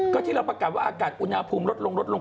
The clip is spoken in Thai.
ก็ที่เราประกาศว่าอากาศอุณหภูมิลดลงลดลง